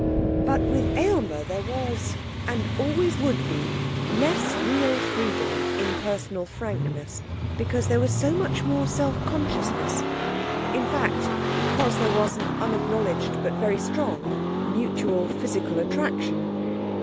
But with Aylmer there was, and would always be, less real freedom and impersonal frankness, because there was so much more selfconsciousness; in fact because there was an unacknowledged but very strong mutual physical attraction.